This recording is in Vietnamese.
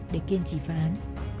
để kiên trì phán